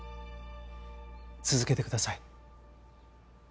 続けてください。